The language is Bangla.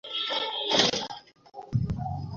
অন্তত একবার তো আসতে পারতো, তাই না।